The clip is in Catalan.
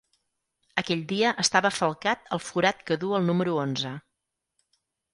Aquell dia estava falcat al forat que du el número onze.